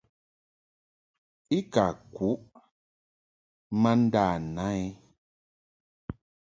I ka kuʼ ma nda na i.